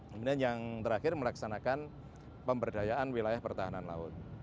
kemudian yang terakhir melaksanakan pemberdayaan wilayah pertahanan laut